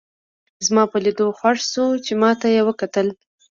زما په لیدو خوښ شوه چې ما ته یې وکتل.